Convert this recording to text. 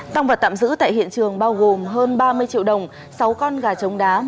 tăng vật tạm giữ tại hiện trường bao gồm hơn ba mươi triệu đồng sáu con gà trống đá